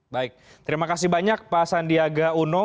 baik terima kasih banyak pak sandiaga uno